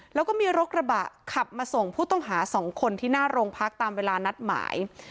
แล้วก็มีรถกระบะขับมาส่งผู้ต้องหา๒คนที่หน้าโรงพักตามเวลานัดหมาย